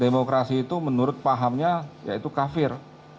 demokrasi itu menurut pahamnya yaitu kafir